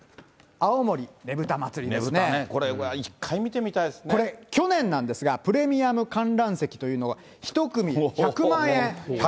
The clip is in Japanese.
ねぶたね、これ１回見てみたこれ、去年なんですが、プレミアム観覧席というのが１組１００万円。